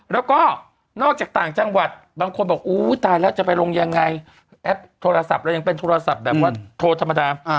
แล้วก็นอกจากต่างจังหวัดบางคนบอกอุ้ยตายแล้วจะไปลงยังไงแอปโทรศัพท์เรายังเป็นโทรศัพท์แบบว่าโทรธรรมดา